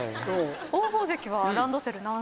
王鵬関はランドセル。